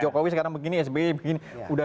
jokowi sekarang begini sby begini udah